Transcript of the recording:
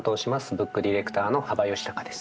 ブックディレクターの幅允孝です。